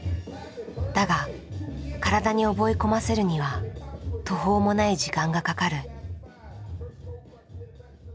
だが体に覚え込ませるには途方もない時間がかかる。